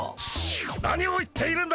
何を言っているんだ。